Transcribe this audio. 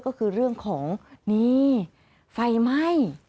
ก็คือเรื่องของนี่ไฟไหม้